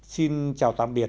xin chào tạm biệt